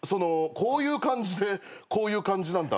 こういう感じでこういう感じなんだ。